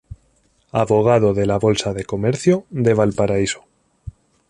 Abogado de la Bolsa de Comercio de Valparaíso.